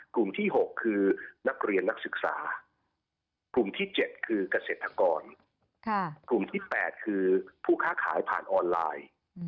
กลุ่มที่๖คือนักเรียนนักศึกษากลุ่มที่๗คือเกษตรกรกลุ่มที่๘คือผู้ค้าขายผ่านออนไลน์